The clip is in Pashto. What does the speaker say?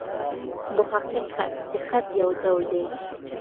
محقق خط؛ د خط یو ډول دﺉ.